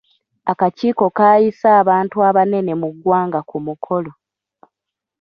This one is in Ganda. Akakiiko kaayise abantu abanene mu ggwanga ku mukolo.